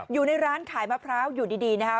อยู่ในร้านขายมะพร้าวอยู่ดีนะคะ